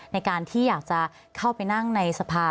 ในการที่อยากจะเข้าไปนั่งในสภา